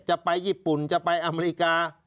จะไปญี่ปุ่นจะไปอเมริกา